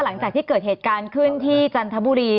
หลังจากที่เกิดเหตุการณ์ขึ้นที่จันทบุรี